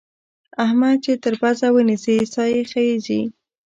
احمد چې تر پزه ونيسې؛ سا يې خېږي.